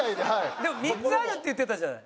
でも３つあるって言ってたじゃない。